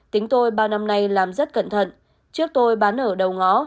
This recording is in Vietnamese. tính tôi ba năm nay làm rất cẩn thận trước tôi bán ở đầu ngó